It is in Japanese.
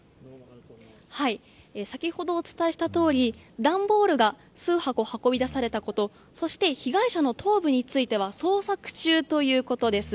先ほどお伝えしたとおり段ボールが数箱運び出されたことそして、被害者の頭部については捜索中ということです。